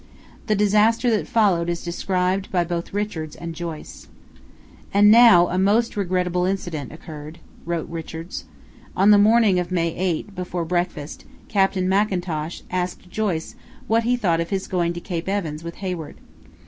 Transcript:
The disaster that followed is described by both Richards and Joyce. "And now a most regrettable incident occurred," wrote Richards. "On the morning of May 8, before breakfast, Captain Mackintosh asked Joyce what he thought of his going to Cape Evans with Hayward.